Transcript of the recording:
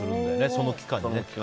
その期間に。